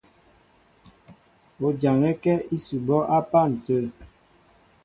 O jaŋɛ́kɛ́ ísʉbɔ́ á pân tə̂.